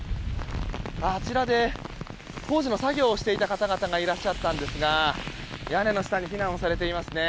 あちらで工事の作業をしていた方々がいらっしゃったんですが屋根の下に避難をされていますね。